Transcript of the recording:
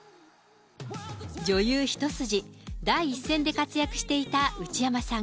女優一筋、第一線で活躍していた内山さん。